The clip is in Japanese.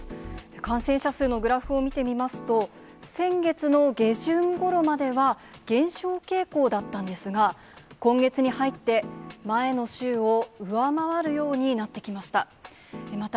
感染者数のグラフを見てみますと、先月の下旬ごろまでは、減少傾向だったんですが、今月に入って、前の週を上回るようになってきました。